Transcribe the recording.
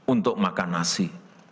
untuk makan nasi